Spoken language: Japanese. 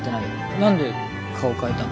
何で顔変えたの？